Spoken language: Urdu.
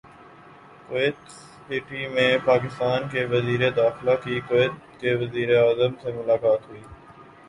کویت سٹی میں پاکستان کے وزیر داخلہ کی کویت کے وزیراعظم سے ملاقات ہوئی ہے